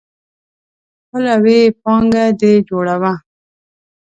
خپله ويي پانګه دي جوړوه.